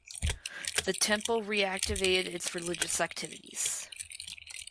The temple reactivated its religious activities.